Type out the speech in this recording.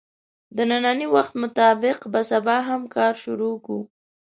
د نني وخت مطابق به سبا هم کار شروع کوو